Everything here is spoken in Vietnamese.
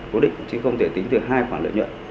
cố định chứ không thể tính được hai khoản lợi nhuận